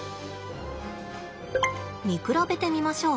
見比べてみましょう。